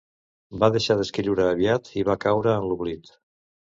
Va deixar d'escriure aviat i va caure en l'oblit.